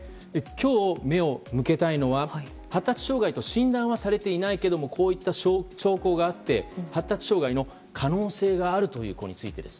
今日、目を向けたいのは発達障害と診断はされていないけれどもこういった兆候があって発達障害の可能性があるという子についてです。